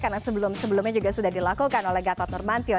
karena sebelum sebelumnya juga sudah dilakukan oleh gatot nurmantio